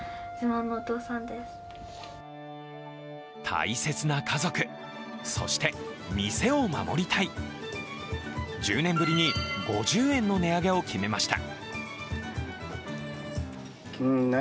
大切な家族、そして店を守りたい１０年ぶりに５０円の値上げを決めました。